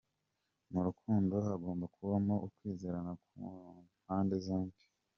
Mu rukundo hagomba kubamo ukwizerana ku mpande zombi.